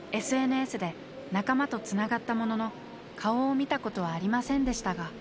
ＳＮＳで仲間とつながったものの顔を見たことはありませんでしたが。